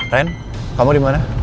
ren kamu di mana